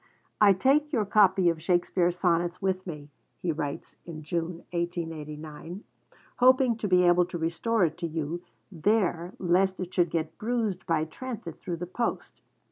'I take your copy of Shakespeare's sonnets with me,' he writes in June 1889, 'hoping to be able to restore it to you there lest it should get bruised by transit through the post.'